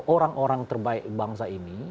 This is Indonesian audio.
orang orang terbaik bangsa ini